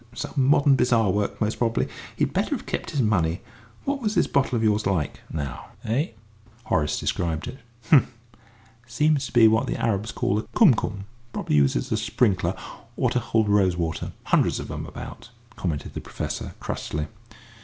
"Some modern bazaar work, most probably. He'd better have kept his money. What was this bottle of yours like, now, eh?" Horace described it. "H'm. Seems to be what the Arabs call a 'kum kum,' probably used as a sprinkler, or to hold rose water. Hundreds of 'em about," commented the Professor, crustily.